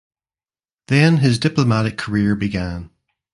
Then his diplomatic career began.